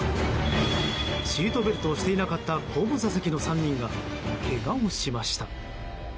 シートベルトをしていなかった後部座席の３人がけがをしました。